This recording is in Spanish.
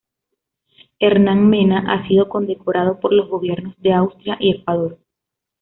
Hernán Mena ha sido condecorado por los gobiernos de Austria y Ecuador.